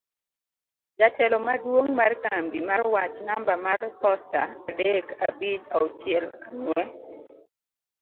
Jatelo Maduong' mar Kambi mar Wach namba mar posta adek abich auchiel ang'we